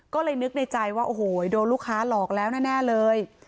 ก็เลยนึกในใจว่าโอ้โหโดนลูกค้าหลอกแล้วแน่เลย